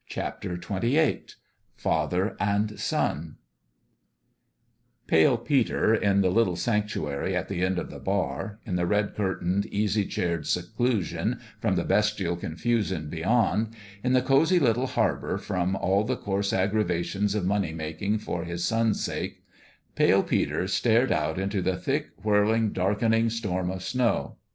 XXVIII FATHER AND SON PALE PETER, in the little sanctuary at the end of the bar in the red curtained, easy chaired seclusion from the bestial con fusion beyond in the cozy little harbour from all the coarse aggravations of money making for his son's sake Pale Peter stared out into the thick, whirling, darkening storm of snow.